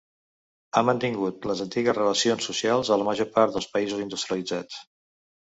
Ha mantingut les antigues relacions socials a la major part dels països industrialitzats.